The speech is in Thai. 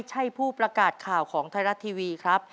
ใช่ผู้ประกาศข่าวของไทยรัฐทีวีครับ